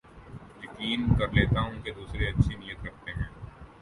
یقین کر لیتا ہوں کے دوسرے اچھی نیت رکھتے ہیں